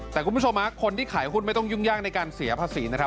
แต่คุณผู้ชมคนที่ขายหุ้นไม่ต้องยุ่งยากในการเสียภาษีนะครับ